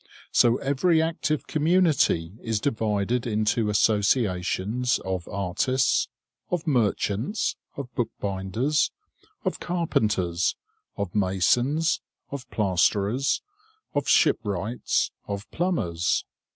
So every active community is divided into associations of artists, of merchants, of bookbinders, of carpenters, of masons, of plasterers, of shipwrights, of plumbers.